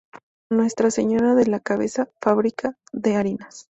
Nuestra Señora de la Cabeza, Fábrica de Harinas.